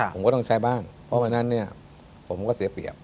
ผมก็ต้องใช้บ้างเพราะวันนั้นเนี่ยผมก็เสียเปรียบ